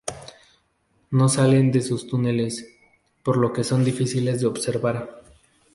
No salen de sus túneles, por lo que son difíciles de observar.